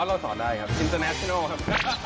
อ่อเราออกด้วยครับอินเตอร์แนชโนล